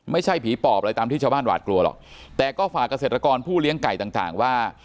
ไม่ใช่ผีปอบอะไรตามที่ชาวบ้านหวาดกลัวหรอกแต่ก็ฝากเกษตรกรผู้เลี้ยงไก่ต่างว่า